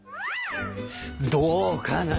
どうかな。